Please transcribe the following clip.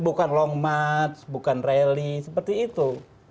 bukan long march bukan rally seperti itu